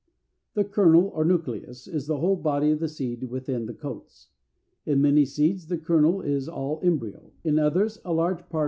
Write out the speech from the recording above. =The Kernel, or Nucleus=, is the whole body of the seed within the coats. In many seeds the kernel is all Embryo; in others a large part of it is the Albumen.